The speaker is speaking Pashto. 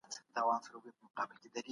د غذایت جذب لپاره د څښاک وخت ته پام مهم دی.